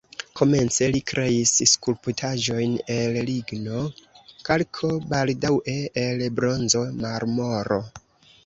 Komence li kreis skulptaĵojn el ligno, kalko, baldaŭe el bronzo, marmoro.